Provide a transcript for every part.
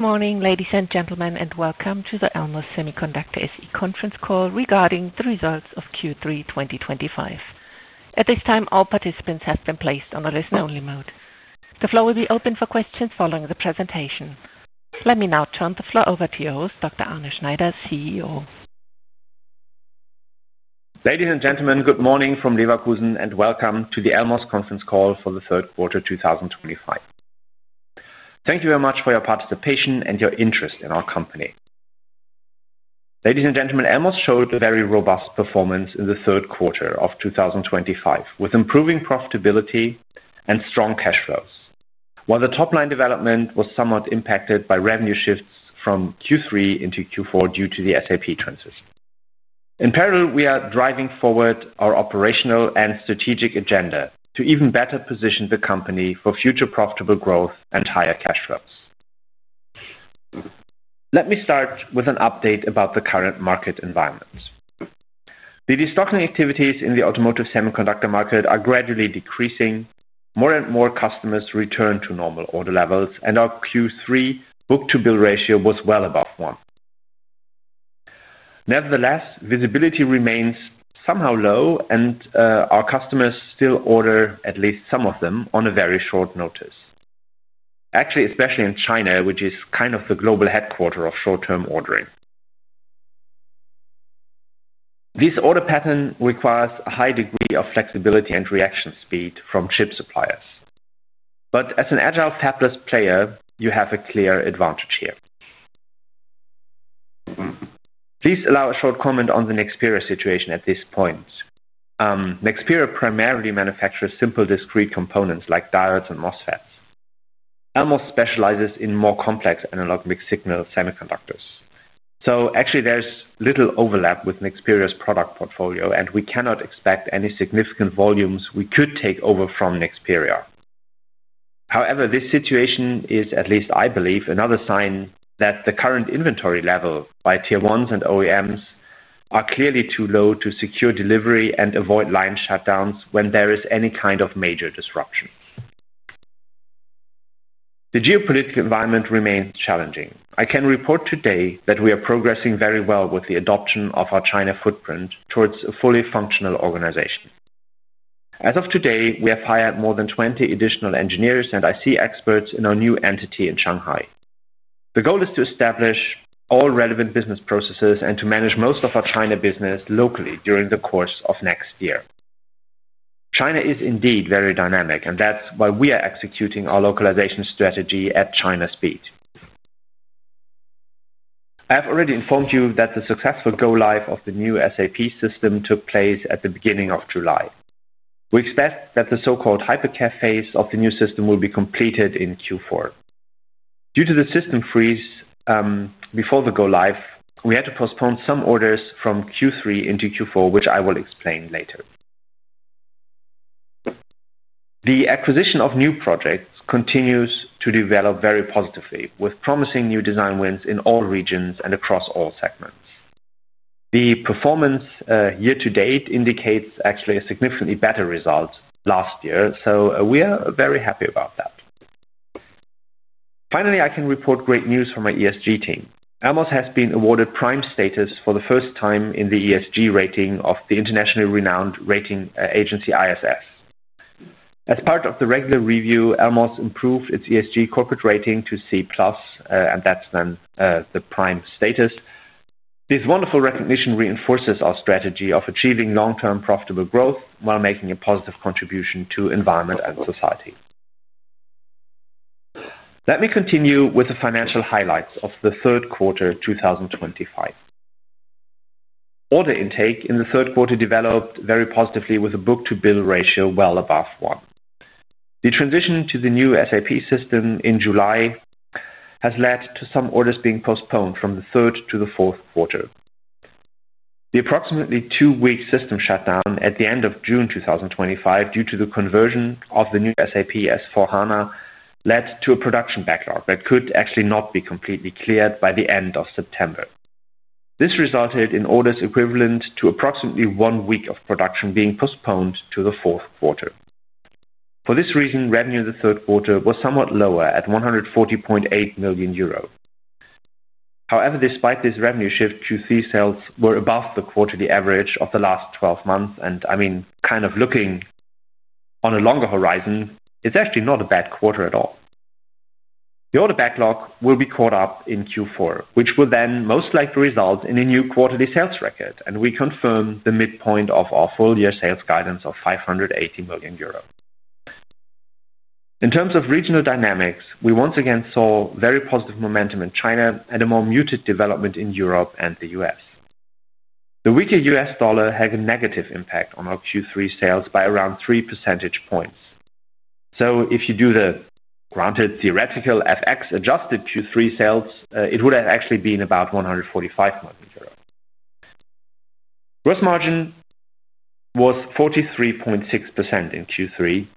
Good morning, ladies and gentlemen, and welcome to the Elmos Semiconductor SE Conference Call regarding the results of Q3 2025. At this time, all participants have been placed on a listen-only mode. The floor will be open for questions following the presentation. Let me now turn the floor over to your host, Dr. Arne Schneider, CEO. Ladies and gentlemen, good morning from Leverkusen, and welcome to the Elmos conference call for the third quarter 2025. Thank you very much for your participation and your interest in our company. Ladies and gentlemen, Elmos showed a very robust performance in the third quarter of 2025, with improving profitability and strong cash flows, while the top-line development was somewhat impacted by revenue shifts from Q3 into Q4 due to the SAP transition. In parallel, we are driving forward our operational and strategic agenda to even better position the company for future profitable growth and higher cash flows. Let me start with an update about the current market environment. The restocking activities in the automotive semiconductor market are gradually decreasing. More and more customers return to normal order levels, and our Q3 book-to-bill ratio was well above one. Nevertheless, visibility remains somehow low, and our customers still order, at least some of them, on a very short notice. Actually, especially in China, which is kind of the global headquarter of short-term ordering. This order pattern requires a high degree of flexibility and reaction speed from chip suppliers. As an agile, fabless player, you have a clear advantage here. Please allow a short comment on the Nexperia situation at this point. Nexperia primarily manufactures simple discrete components like diodes and MOSFETs. Elmos specializes in more complex analog-mixed signal semiconductors. So actually, there's little overlap with Nexperia's product portfolio, and we cannot expect any significant volumes we could take over from Nexperia. However, this situation is, at least I believe, another sign that the current inventory level by Tier 1s and OEMs is clearly too low to secure delivery and avoid line shutdowns when there is any kind of major disruption. The geopolitical environment remains challenging. I can report today that we are progressing very well with the adoption of our China footprint towards a fully functional organization. As of today, we have hired more than 20 additional engineers and IT experts in our new entity in Shanghai. The goal is to establish all relevant business processes and to manage most of our China business locally during the course of next year. China is indeed very dynamic, and that's why we are executing our localization strategy at China speed. I have already informed you that the successful go-live of the new SAP system took place at the beginning of July. We expect that the so-called hypercare phase of the new system will be completed in Q4. Due to the system freeze before the go-live, we had to postpone some orders from Q3 into Q4, which I will explain later. The acquisition of new projects continues to develop very positively, with promising new design wins in all regions and across all segments. The performance year-to-date indicates actually a significantly better result last year, so we are very happy about that. Finally, I can report great news for my ESG team. Elmos has been awarded Prime status for the first time in the ESG rating of the internationally renowned rating agency ISS. As part of the regular review, Elmos improved its ESG corporate rating to C+, and that's then the Prime status. This wonderful recognition reinforces our strategy of achieving long-term profitable growth while making a positive contribution to the environment and society. Let me continue with the financial highlights of the third quarter 2025. Order intake in the third quarter developed very positively with a book-to-bill ratio well above one. The transition to the new SAP system in July has led to some orders being postponed from the third to the fourth quarter. The approximately two-week system shutdown at the end of June 2025 due to the conversion of the new SAP S/4HANA led to a production backlog that could actually not be completely cleared by the end of September. This resulted in orders equivalent to approximately one week of production being postponed to the fourth quarter. For this reason, revenue in the third quarter was somewhat lower at 140.8 million euro. However, despite this revenue shift, Q3 sales were above the quarterly average of the last 12 months. I mean, kind of looking on a longer horizon, it's actually not a bad quarter at all. The order backlog will be caught up in Q4, which will then most likely result in a new quarterly sales record, and we confirm the midpoint of our full-year sales guidance of 580 million euros. In terms of regional dynamics, we once again saw very positive momentum in China and a more muted development in Europe and the U.S. The weaker U.S. dollar had a negative impact on our Q3 sales by around 3 percentage points. If you do the, granted, theoretical FX-adjusted Q3 sales, it would have actually been about 145 million. Gross margin was 43.6% in Q3,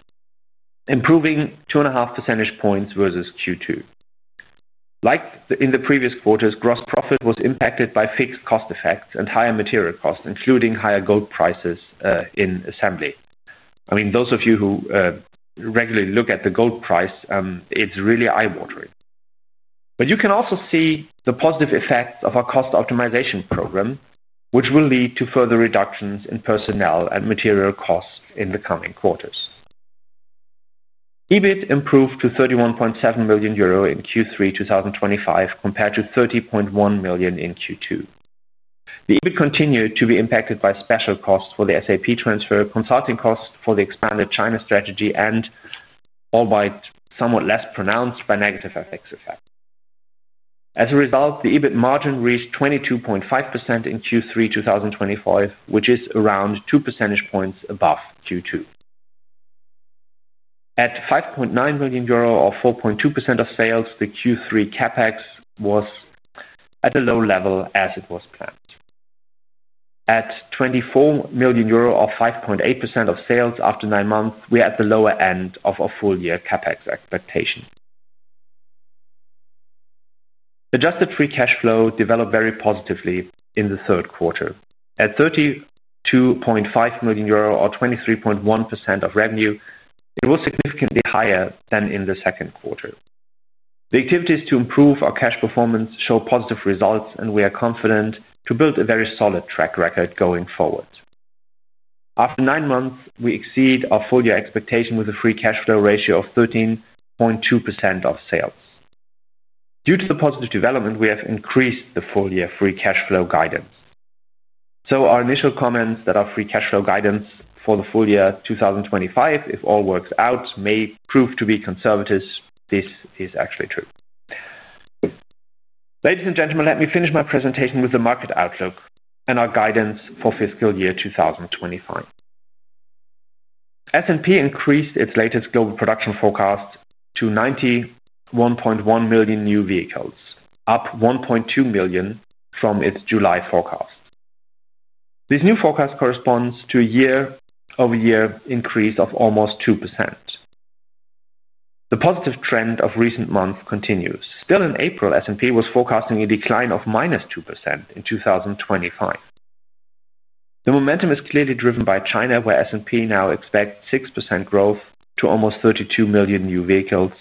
improving 2.5 percentage points versus Q2. Like in the previous quarters, gross profit was impacted by fixed cost effects and higher material costs, including higher gold prices in assembly. I mean, those of you who regularly look at the gold price, it's really eye-watering. You can also see the positive effects of our cost optimization program, which will lead to further reductions in personnel and material costs in the coming quarters. EBIT improved to 31.7 million euro in Q3 2025 compared to 30.1 million in Q2. The EBIT continued to be impacted by special costs for the SAP transfer, consulting costs for the expanded China strategy, and all by somewhat less pronounced by negative FX effects. As a result, the EBIT margin reached 22.5% in Q3 2025, which is around 2 percentage points above Q2. At 5.9 million euro or 4.2% of sales, the Q3 CapEx was at a low level as it was planned. At 24 million euro or 5.8% of sales after nine months, we are at the lower end of our full-year CapEx expectation. Adjusted free cash flow developed very positively in the third quarter. At 32.5 million euro or 23.1% of revenue, it was significantly higher than in the second quarter. The activities to improve our cash performance show positive results, and we are confident to build a very solid track record going forward. After nine months, we exceed our full-year expectation with a free cash flow ratio of 13.2% of sales. Due to the positive development, we have increased the full-year free cash flow guidance. Our initial comments that our free cash flow guidance for the full year 2025, if all works out, may prove to be conservative, this is actually true. Ladies and gentlemen, let me finish my presentation with the market outlook and our guidance for fiscal year 2025. S&P increased its latest global production forecast to 91.1 million new vehicles, up 1.2 million from its July forecast. This new forecast corresponds to a year-over-year increase of almost 2%. The positive trend of recent months continues. Still in April, S&P was forecasting a decline of -2% in 2025. The momentum is clearly driven by China, where S&P now expects 6% growth to almost 32 million new vehicles.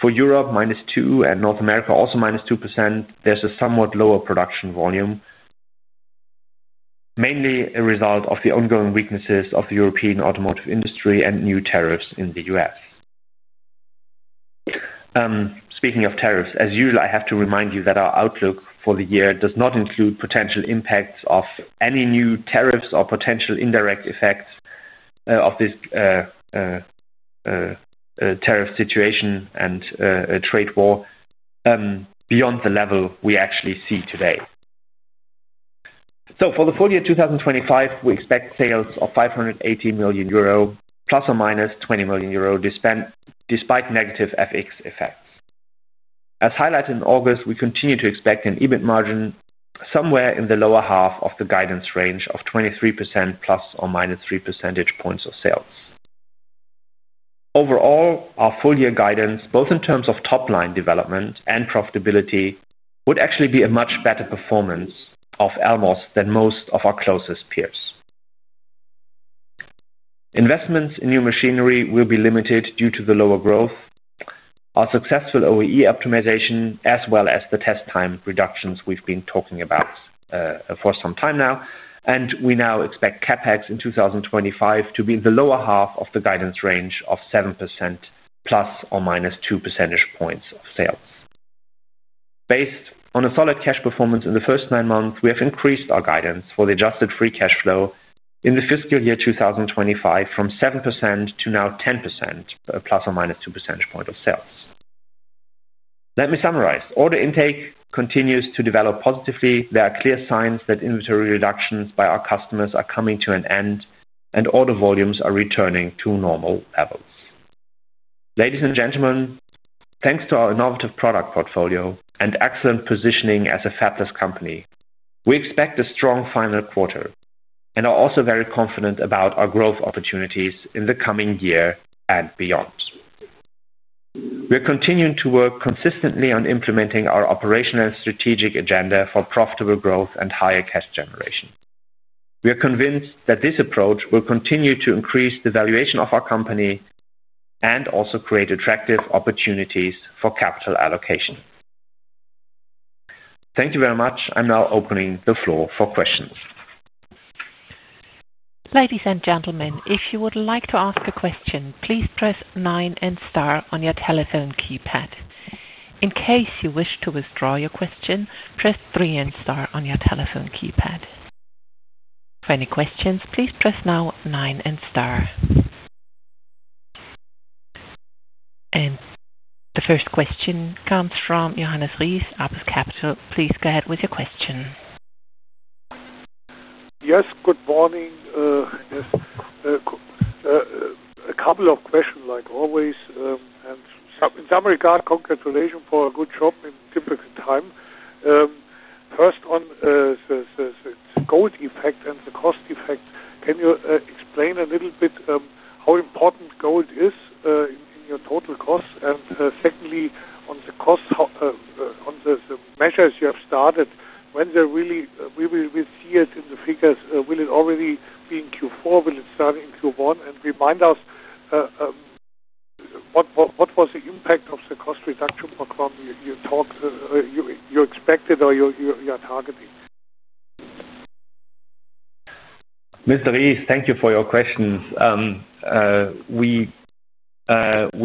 For Europe, -2%, and North America also -2%. There is a somewhat lower production volume, mainly a result of the ongoing weaknesses of the European automotive industry and new tariffs in the U.S. Speaking of tariffs, as usual, I have to remind you that our outlook for the year does not include potential impacts of any new tariffs or potential indirect effects of this tariff situation and trade war beyond the level we actually see today. For the full year 2025, we expect sales of 580 million euro, plus or minus 20 million euro despite negative FX effects. As highlighted in August, we continue to expect an EBIT margin somewhere in the lower half of the guidance range of 23%+ or -3 percentage points of sales. Overall, our full-year guidance, both in terms of top-line development and profitability, would actually be a much better performance of Elmos than most of our closest peers. Investments in new machinery will be limited due to the lower growth. Our successful OEE optimization, as well as the test time reductions we have been talking about for some time now, and we now expect CapEx in 2025 to be in the lower half of the guidance range of 7%+ or -2 percentage points of sales. Based on a solid cash performance in the first nine months, we have increased our guidance for the adjusted free cash flow in the fiscal year 2025 from 7% to now 10%, ±2 percentage points of sales. Let me summarize. Order intake continues to develop positively. There are clear signs that inventory reductions by our customers are coming to an end, and order volumes are returning to normal levels. Ladies and gentlemen, thanks to our innovative product portfolio and excellent positioning as a fabless company, we expect a strong final quarter and are also very confident about our growth opportunities in the coming year and beyond. We are continuing to work consistently on implementing our operational and strategic agenda for profitable growth and higher cash generation. We are convinced that this approach will continue to increase the valuation of our company. And also create attractive opportunities for capital allocation. Thank you very much. I'm now opening the floor for questions. Ladies and gentlemen, if you would like to ask a question, please press nine and star on your telephone keypad. In case you wish to withdraw your question, press three and star on your telephone keypad. For any questions, please press now nine and star. And the first question comes from Johannes Ries, Apus Capital. Please go ahead with your question. Yes, good morning. A couple of questions, like always. In some regard, congratulations for a good job in a difficult time. First, on. The gold effect and the cost effect, can you explain a little bit how important gold is in your total costs? And secondly, on the. Measures you have started, when will we see it in the figures? Will it already be in Q4? Will it start in Q1? And remind us. What was the impact of the cost reduction program you expected or you are targeting? Mr. Ries, thank you for your questions. We.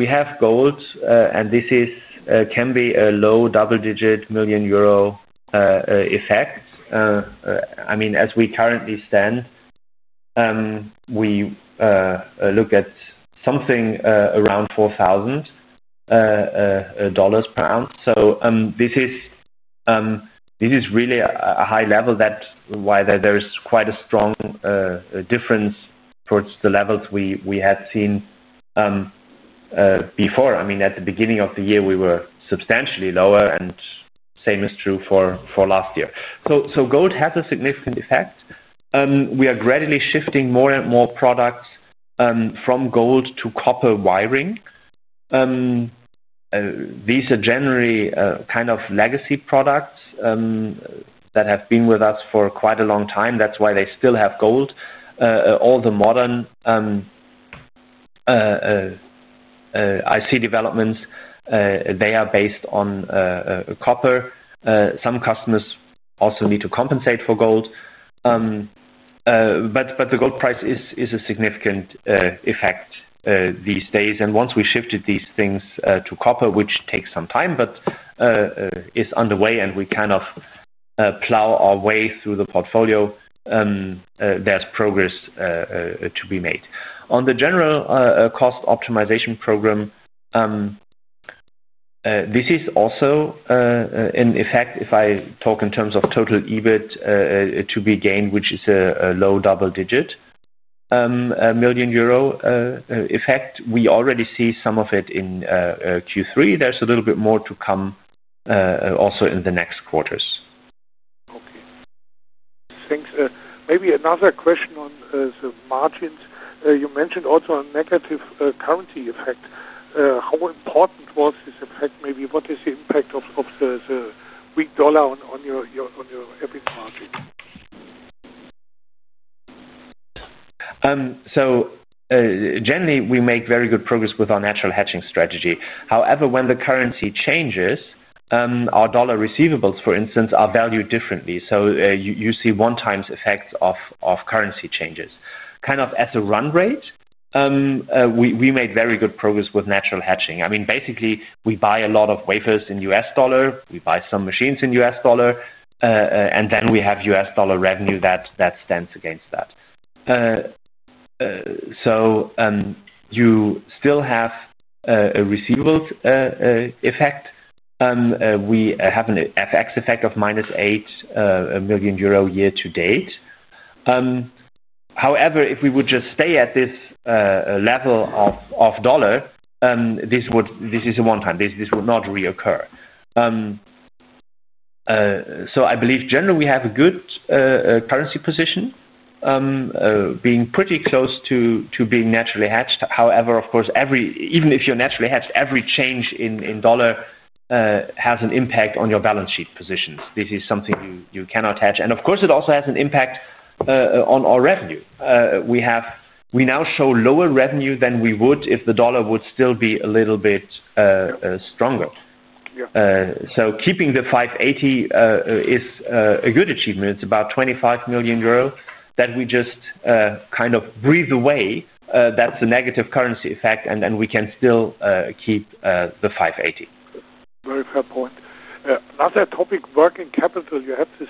Have gold, and this can be a low double-digit million euro effect. I mean, as we currently stand. We. Look at something around $4,000 per ounce. This is really a high level, that's why there's quite a strong difference towards the levels we had seen before. I mean, at the beginning of the year, we were substantially lower, and same is true for last year. Gold has a significant effect. We are gradually shifting more and more products from gold to copper wiring. These are generally kind of legacy products that have been with us for quite a long time. That's why they still have gold. All the modern IC developments, they are based on copper. Some customers also need to compensate for gold. The gold price is a significant effect these days. Once we shifted these things to copper, which takes some time but is underway, and we kind of plow our way through the portfolio, there's progress to be made. On the general cost optimization program, this is also an effect, if I talk in terms of total EBIT to be gained, which is a low double-digit million euro effect. We already see some of it in Q3. There's a little bit more to come also in the next quarters. Okay. Thanks. Maybe another question on the margins. You mentioned also a negative currency effect. How important was this effect? Maybe what is the impact of the weak dollar on your EBIT margin? So. Generally, we make very good progress with our natural hedging strategy. However, when the currency changes, our dollar receivables, for instance, are valued differently. You see one-time effects of currency changes, kind of as a run rate. We made very good progress with natural hedging. I mean, basically, we buy a lot of wafers in U.S. dollar. We buy some machines in U.S. dollar, and then we have U.S. dollar revenue that stands against that. You still have a receivables effect. We have an FX effect of -8 million euro year-to-date. However, if we would just stay at this level of dollar, this is a one-time. This would not reoccur. I believe, generally, we have a good currency position, being pretty close to being naturally hedged. However, of course, even if you're naturally hedged, every change in dollar has an impact on your balance sheet positions. This is something you cannot hedge. Of course, it also has an impact on our revenue. We now show lower revenue than we would if the dollar would still be a little bit stronger. Keeping the 580 million is a good achievement. It's about 25 million euro that we just kind of breathe away. That's a negative currency effect, and then we can still keep the 580 million. Very fair point. Another topic, working capital. You have this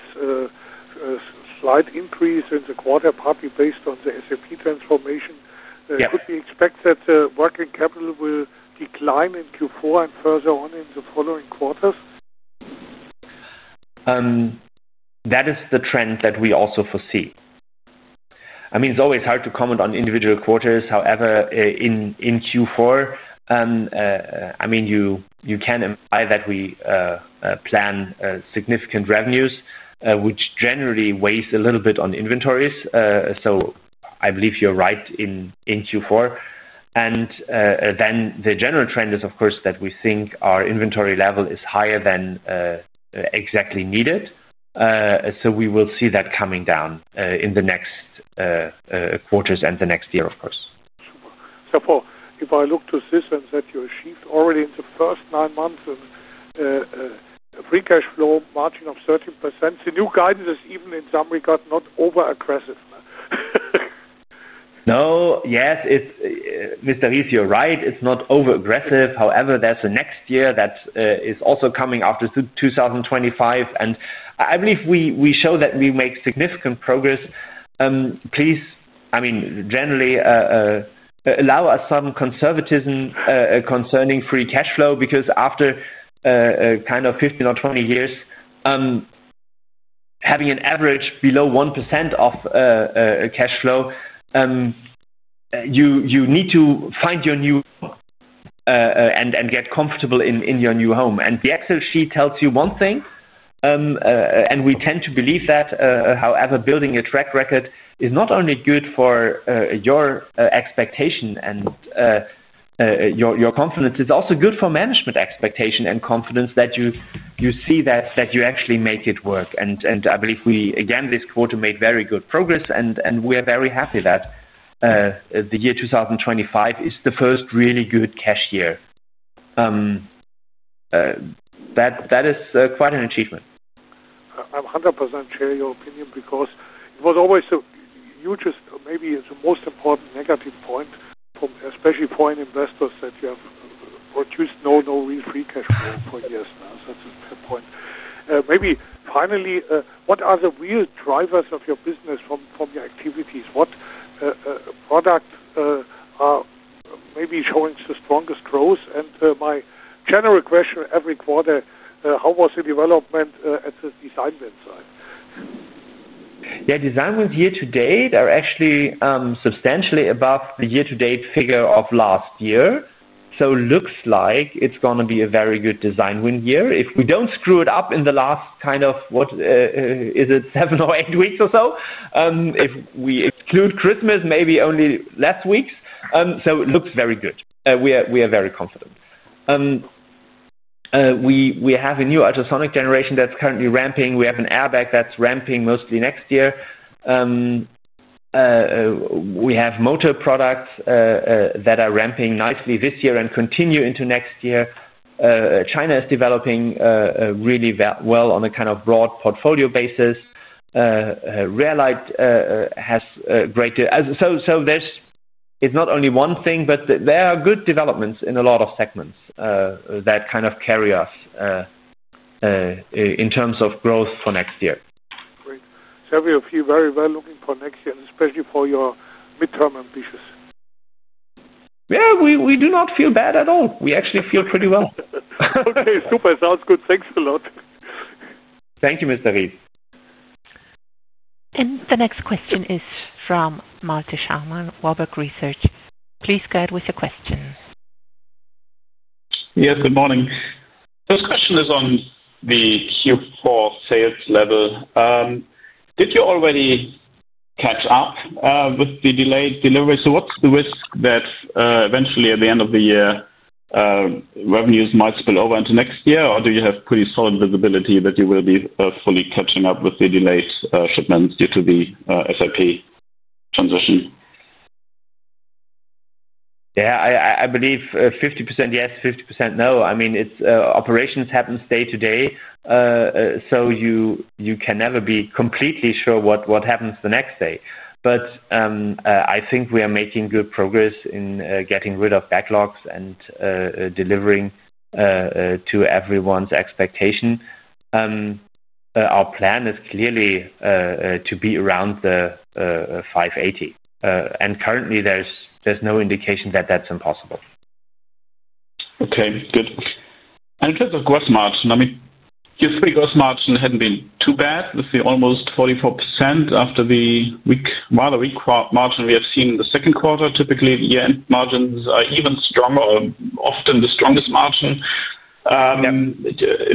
slight increase in the quarter partly based on the SAP transformation. Could we expect that working capital will decline in Q4 and further on in the following quarters? That is the trend that we also foresee. I mean, it's always hard to comment on individual quarters. However, in Q4, I mean, you can imply that we plan significant revenues, which generally weighs a little bit on inventories. I believe you're right in Q4, and then the general trend is, of course, that we think our inventory level is higher than exactly needed. We will see that coming down in the next quarters and the next year, of course. Super. If I look to systems that you achieved already in the first nine months and free cash flow margin of 13%, the new guidance is even in some regard not over-aggressive. No, yes. Mr. Ries, you're right. It's not over-aggressive. However, there's a next year that is also coming after 2025. I believe we show that we make significant progress. Please, I mean, generally allow us some conservatism concerning free cash flow because after kind of 15 or 20 years having an average below 1% of cash flow, you need to find your new and get comfortable in your new home. The Excel sheet tells you one thing, and we tend to believe that. However, building a track record is not only good for your expectation and your confidence, it's also good for management expectation and confidence that you see that you actually make it work. I believe we, again, this quarter made very good progress, and we are very happy that. The year 2025 is the first really good cash year. That is quite an achievement. I'm 100% sure of your opinion because it was always the hugest, maybe the most important negative point. Especially for investors that you have produced no real free cash flow for years. That's a fair point. Maybe finally, what are the real drivers of your business from your activities? What products are maybe showing the strongest growth? And my general question every quarter, how was the development at the design win side? Yeah, design win year-to-date, they're actually substantially above the year-to-date figure of last year. It looks like it's going to be a very good design win year. If we don't screw it up in the last kind of, what is it, seven or eight weeks or so, if we exclude Christmas, maybe only less weeks. It looks very good. We are very confident. We have a new ultrasonic generation that's currently ramping. We have an airbag that's ramping mostly next year. We have motor products that are ramping nicely this year and continue into next year. China is developing really well on a kind of broad portfolio basis. Rail Light has great—so it's not only one thing, but there are good developments in a lot of segments that kind of carry us. In terms of growth for next year. Great. So have you a few very well-looking for next year, especially for your midterm ambitions? Yeah, we do not feel bad at all. We actually feel pretty well. Okay, super. Sounds good. Thanks a lot. Thank you, Mr. Ries. The next question is from Malte Schaumann, Warburg Research. Please go ahead with your question. Yes, good morning. This question is on the Q4 sales level. Did you already catch up with the delayed delivery? What's the risk that eventually, at the end of the year, revenues might spill over into next year? Or do you have pretty solid visibility that you will be fully catching up with the delayed shipments due to the SAP transition? Yeah, I believe 50% yes, 50% no. I mean, operations happen day-to-day. You can never be completely sure what happens the next day. I think we are making good progress in getting rid of backlogs and delivering to everyone's expectation. Our plan is clearly to be around the 580 million. Currently, there's no indication that that's impossible. Okay, good. In terms of gross margin, I mean, your Q3 gross margin hadn't been too bad. We see almost 44% after the weak—the weak margin we have seen in the second quarter. Typically, year-end margins are even stronger, often the strongest margin in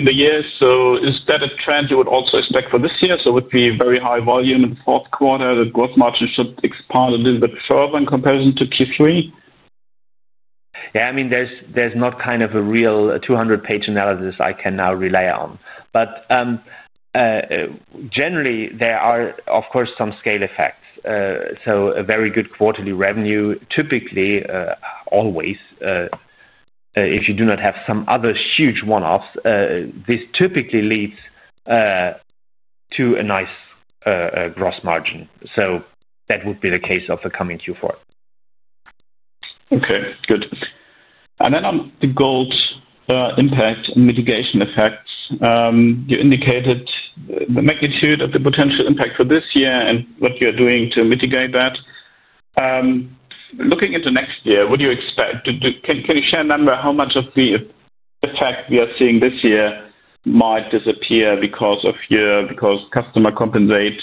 the year. Is that a trend you would also expect for this year? With the very high volume in the fourth quarter, the gross margin should expand a little bit further in comparison to Q3? Yeah, I mean, there's not kind of a real 200-page analysis I can now rely on. But generally, there are, of course, some scale effects. A very good quarterly revenue, typically, always. If you do not have some other huge one-offs, this typically leads to a nice gross margin. That would be the case of the coming Q4. Okay, good. On the gold impact and mitigation effects, you indicated the magnitude of the potential impact for this year and what you are doing to mitigate that. Looking into next year, what do you expect? Can you share a number of how much of the effect we are seeing this year might disappear because of customer compensate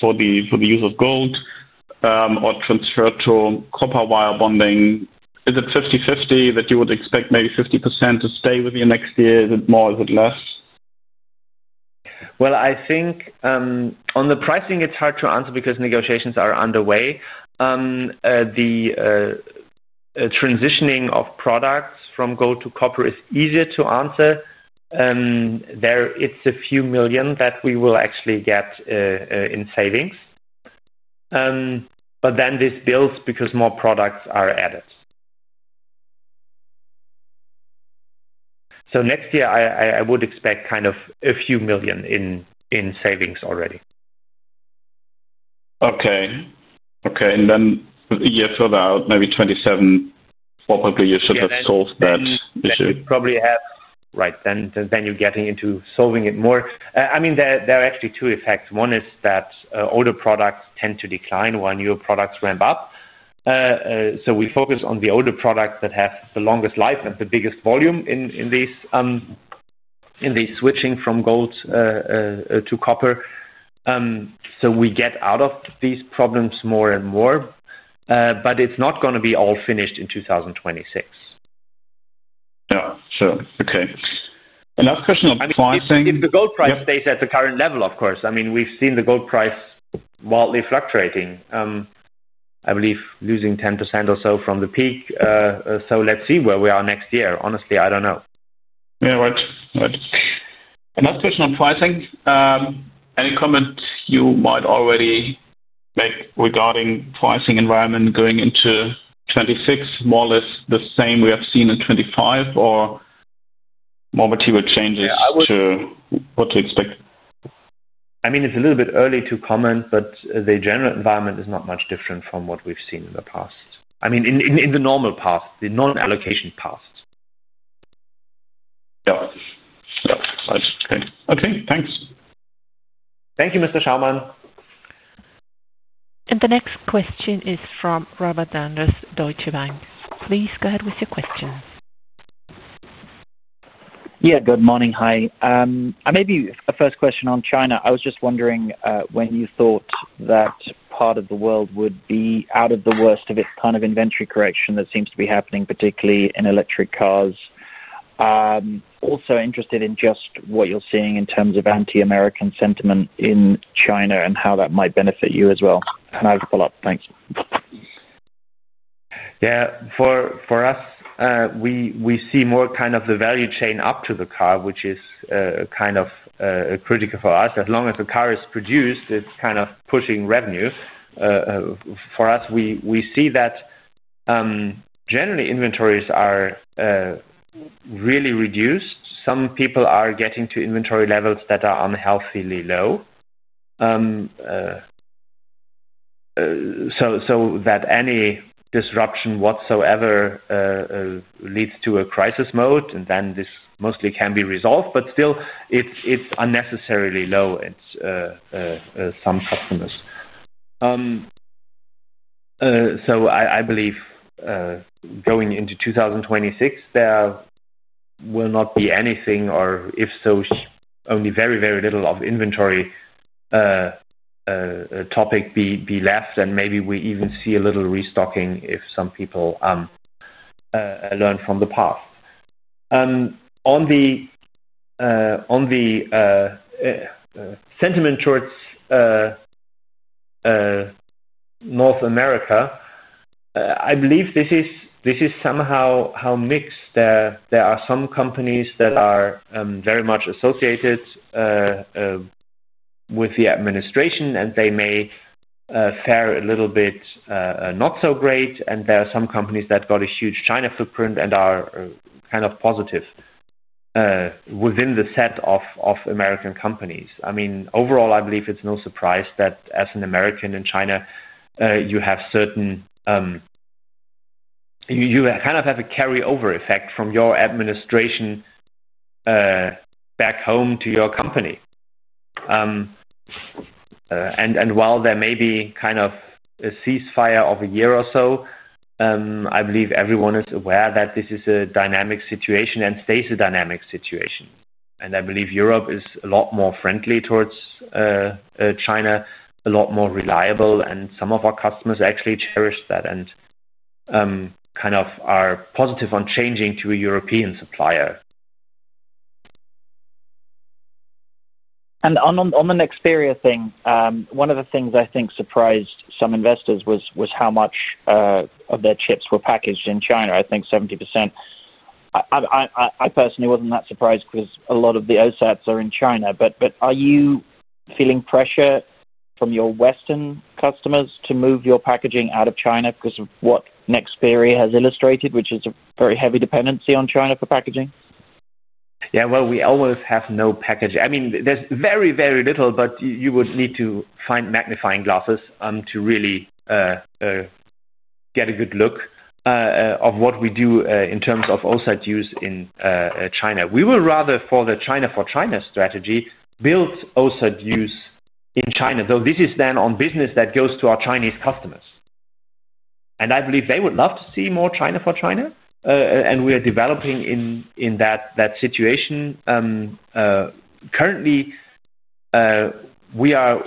for the use of gold or transfer to copper wire bonding? Is it 50/50 that you would expect maybe 50% to stay with you next year? Is it more? Is it less? I think on the pricing, it's hard to answer because negotiations are underway. The transitioning of products from gold to copper is easier to answer. It's a few million that we will actually get in savings. Then this builds because more products are added. Next year, I would expect kind of a few million in savings already. Okay. Okay. A year further out, maybe 2027, probably you should have solved that issue. You should probably have. Right. Then you're getting into solving it more. There are actually two effects. One is that older products tend to decline while newer products ramp up. We focus on the older products that have the longest life and the biggest volume in these. Switching from gold to copper. We get out of these problems more and more. It's not going to be all finished in 2026. Yeah. Sure. Okay. Another question on pricing. If the gold price stays at the current level, of course, we've seen the gold price wildly fluctuating. I believe losing 10% or so from the peak. Let's see where we are next year. Honestly, I don't know. Yeah, right. Right. Another question on pricing. Any comments you might already make regarding pricing environment going into 2026? More or less the same we have seen in 2025, or more material changes to what to expect? It's a little bit early to comment, but the general environment is not much different from what we've seen in the past. In the normal past, the non-allocation past. Yeah. Yeah. Right. Okay. Okay. Thanks. Thank you, Mr. Schaumann. The next question is from Robert Sanders, Deutsche Bank. Please go ahead with your question. Yeah. Good morning. Hi. Maybe a first question on China. I was just wondering when you thought that part of the world would be out of the worst of its kind of inventory correction that seems to be happening, particularly in electric cars. Also interested in just what you're seeing in terms of anti-American sentiment in China and how that might benefit you as well. And I have to pull up. Thanks. Yeah. For us. We see more kind of the value chain up to the car, which is kind of critical for us. As long as the car is produced, it's kind of pushing revenue. For us, we see that. Generally, inventories are really reduced. Some people are getting to inventory levels that are unhealthily low. So that any disruption whatsoever leads to a crisis mode, and then this mostly can be resolved. Still, it's unnecessarily low in some customers. I believe going into 2026, there will not be anything, or if so, only very, very little of inventory topic be left. Maybe we even see a little restocking if some people learn from the past. On the sentiment towards North America, I believe this is somehow mixed. There are some companies that are very much associated with the administration, and they may fare a little bit not so great. There are some companies that got a huge China footprint and are kind of positive within the set of American companies. I mean, overall, I believe it's no surprise that as an American in China, you have certain, you kind of have a carryover effect from your administration back home to your company. While there may be kind of a ceasefire of a year or so, I believe everyone is aware that this is a dynamic situation and stays a dynamic situation. I believe Europe is a lot more friendly towards China, a lot more reliable, and some of our customers actually cherish that and kind of are positive on changing to a European supplier. On the Nexperia thing, one of the things I think surprised some investors was how much of their chips were packaged in China. I think 70%. I personally wasn't that surprised because a lot of the OSATs are in China. Are you feeling pressure from your Western customers to move your packaging out of China because of what Nexperia has illustrated, which is a very heavy dependency on China for packaging? Yeah. We almost have no package. I mean, there's very, very little, but you would need to find magnifying glasses to really get a good look of what we do in terms of OSAT use in China. We would rather, for the China for China strategy, build OSAT use in China, though this is then on business that goes to our Chinese customers. I believe they would love to see more China for China, and we are developing in that situation currently. We have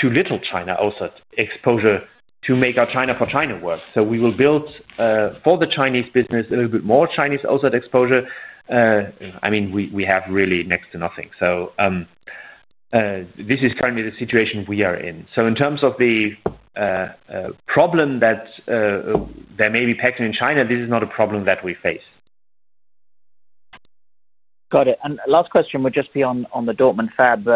too little China OSAT exposure to make our China for China work. So we will build for the Chinese business a little bit more Chinese OSAT exposure. I mean, we have really next to nothing. This is currently the situation we are in. In terms of the problem that there may be packaging in China, this is not a problem that we face. Got it. Last question would just be on the Dortmund fab.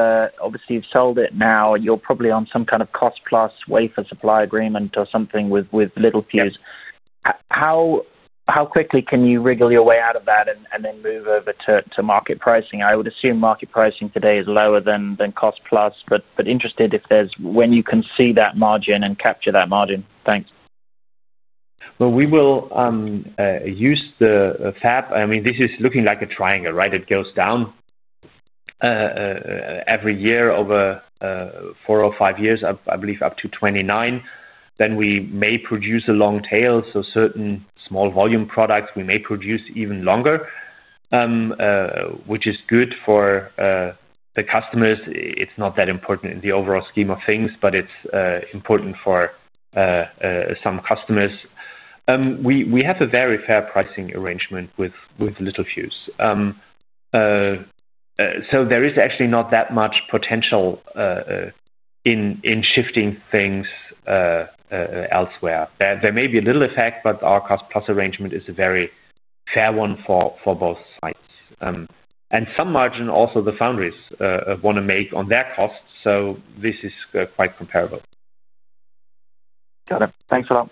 Obviously, you've sold it now. You're probably on some kind of cost-plus wafer supply agreement or something with Littelfuse. How quickly can you wriggle your way out of that and then move over to market pricing? I would assume market pricing today is lower than cost-plus, but interested if there's when you can see that margin and capture that margin. Thanks. We will use the fab. I mean, this is looking like a triangle, right? It goes down every year over four or five years, I believe, up to 2029. Then we may produce a long tail. So certain small volume products, we may produce even longer, which is good for the customers. It's not that important in the overall scheme of things, but it's important for some customers. We have a very fair pricing arrangement with Littelfuse. So there is actually not that much potential in shifting things elsewhere. There may be a little effect, but our cost-plus arrangement is a very fair one for both sides. Some margin also the foundries want to make on their costs. This is quite comparable. Got it. Thanks a lot.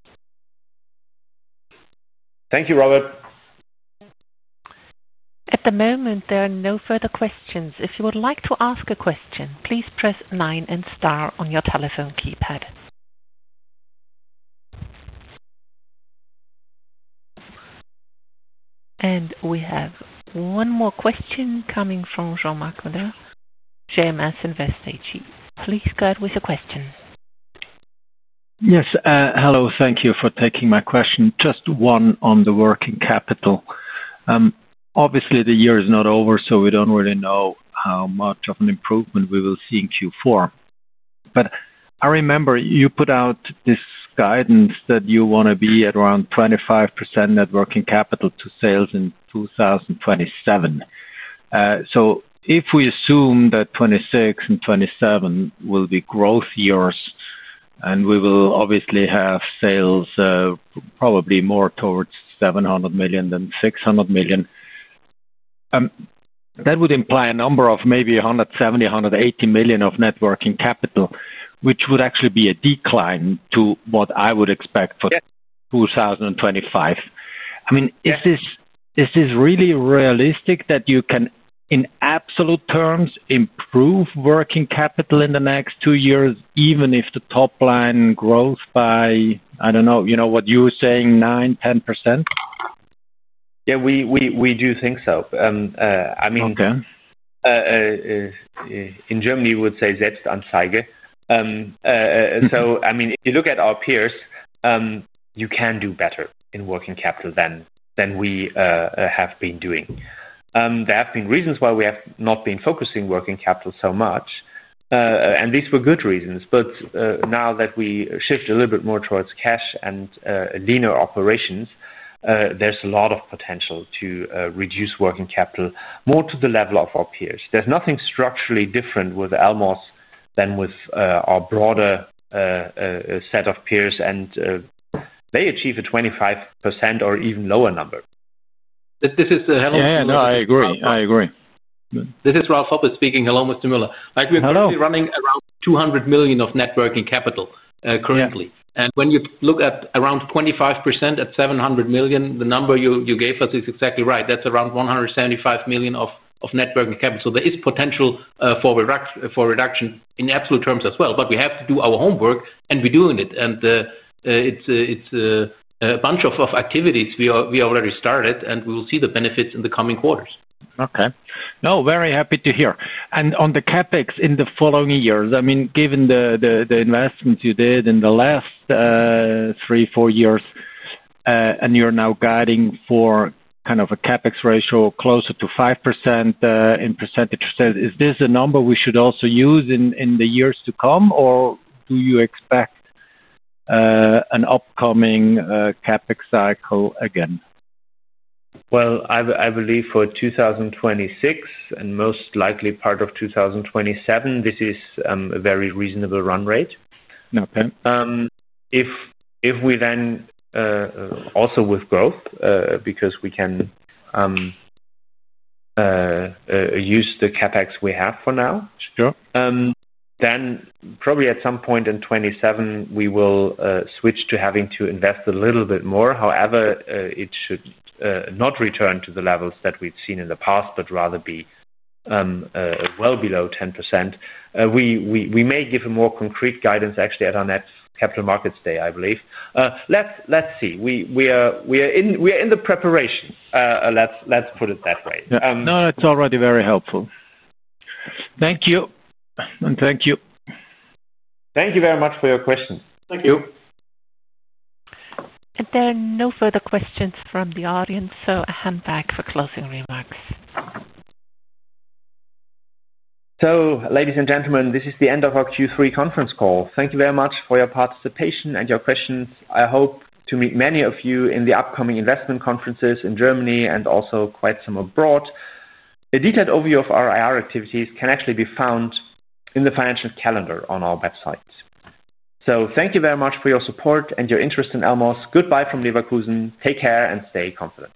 Thank you, Robert. At the moment, there are no further questions. If you would like to ask a question, please press nine and star on your telephone keypad. We have one more question coming from Jean-Marc Aubin, GMS Invest HE. Please go ahead with your question. Yes. Hello. Thank you for taking my question. Just one on the working capital. Obviously, the year is not over, so we do not really know how much of an improvement we will see in Q4. I remember you put out this guidance that you want to be at around 25% net working capital to sales in 2027. If we assume that 2026 and 2027 will be growth years, and we will obviously have sales probably more towards 700 million than 600 million, that would imply a number of maybe 170 million-180 million of net working capital, which would actually be a decline to what I would expect for 2025. I mean, is this really realistic that you can, in absolute terms, improve working capital in the next two years, even if the top line grows by, I do not know, you know what you were saying, 9%-10%? Yeah, we do think so. I mean, in Germany, we would say, selbstanzeige. So, I mean, if you look at our peers. You can do better in working capital than we have been doing. There have been reasons why we have not been focusing working capital so much. These were good reasons. Now that we shift a little bit more towards cash and leaner operations, there is a lot of potential to reduce working capital more to the level of our peers. There is nothing structurally different with Elmos than with our broader set of peers. They achieve a 25% or even lower number. This is Hello Mr. Muller. Yeah. No, I agree. I agree. This is Ralf Hoppe speaking. Hello, Mr. Muller. Hello. We are currently running around 200 million of net working capital currently. When you look at around 25% at 700 million, the number you gave us is exactly right. That is around 175 million of net working capital. There is potential for reduction in absolute terms as well. We have to do our homework, and we are doing it. It is a bunch of activities we already started, and we will see the benefits in the coming quarters. Okay. No, very happy to hear. On the CapEx in the following years, I mean, given the investments you did in the last three, four years, and you are now guiding for kind of a CapEx ratio closer to 5% in percentage of sales, is this a number we should also use in the years to come, or do you expect an upcoming CapEx cycle again? I believe for 2026 and most likely part of 2027, this is a very reasonable run rate. If we then also with growth, because we can use the CapEx we have for now. Sure. Probably at some point in 2027, we will switch to having to invest a little bit more. However, it should not return to the levels that we have seen in the past, but rather be well below 10%. We may give a more concrete guidance actually at our next Capital Markets Day, I believe. Let us see. We are in the preparation. Let us put it that way. No, it is already very helpful. Thank you. Thank you very much for your questions. Thank you. No further questions from the audience. I am back for closing remarks. Ladies and gentlemen, this is the end of our Q3 conference call. Thank you very much for your participation and your questions. I hope to meet many of you in the upcoming investment conferences in Germany and also quite some abroad. A detailed overview of our IR activities can actually be found in the financial calendar on our website. Thank you very much for your support and your interest in Elmos. Goodbye from Leverkusen. Take care and stay confident.